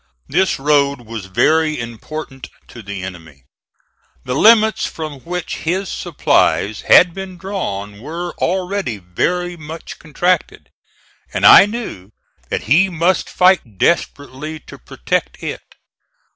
This road was very important to the enemy. The limits from which his supplies had been drawn were already very much contracted, and I knew that he must fight desperately to protect it.